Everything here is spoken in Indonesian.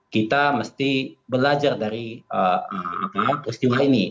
kita mesti belajar dari peristiwa ini